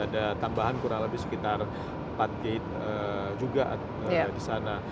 ada tambahan kurang lebih sekitar empat gate juga di sana